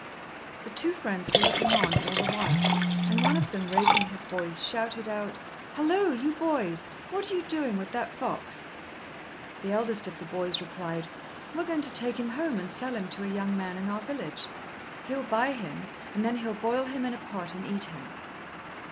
The two friends were looking on all the while, and one of them, raising his voice, shouted out, "Hallo! you boys! what are you doing with that fox?" The eldest of the boys replied, "We're going to take him home and sell him to a young man in our village. He'll buy him, and then he'll boil him in a pot and eat him."